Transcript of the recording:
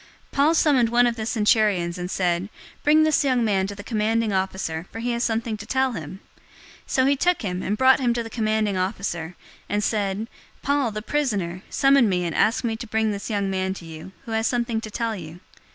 023:017 Paul summoned one of the centurions, and said, "Bring this young man to the commanding officer, for he has something to tell him." 023:018 So he took him, and brought him to the commanding officer, and said, "Paul, the prisoner, summoned me and asked me to bring this young man to you, who has something to tell you."